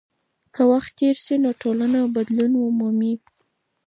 که وخت تېر سي نو ټولنه بدلون مومي.